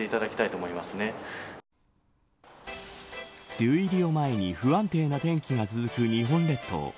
梅雨入りを前に不安定な天気が続く日本列島。